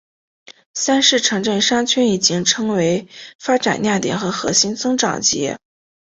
三是城镇商圈已经成为发展亮点和核心增长极。